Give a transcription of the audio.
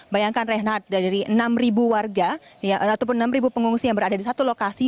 bayangkan reinhardt dari enam warga ataupun enam pengungsi yang berada di satu lokasi